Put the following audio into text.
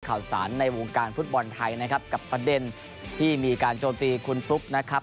ข่าวสารในวงการฟุตบอลไทยนะครับกับประเด็นที่มีการโจมตีคุณฟลุ๊กนะครับ